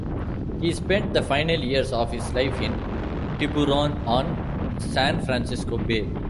He spent the final years of his life in Tiburon on San Francisco Bay.